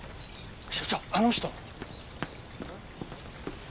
所長あの人。